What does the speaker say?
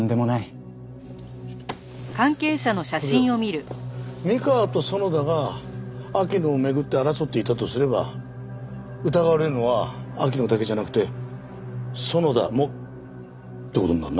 これよ三河と園田が秋野を巡って争っていたとすれば疑われるのは秋野だけじゃなくて園田もって事になるな。